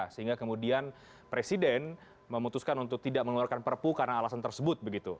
sehingga kemudian presiden memutuskan untuk tidak mengeluarkan perpu karena alasan tersebut